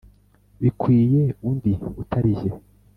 bikwiye undi utali jye